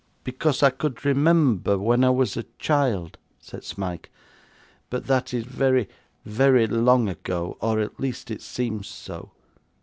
'Because I could remember, when I was a child,' said Smike, 'but that is very, very long ago, or at least it seems so.